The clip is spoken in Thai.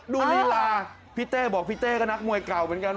ลีลาพี่เต้บอกพี่เต้ก็นักมวยเก่าเหมือนกัน